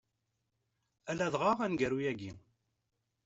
A ladɣa aneggaru-ayi.